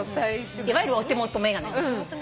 いわゆるお手元眼鏡なんです。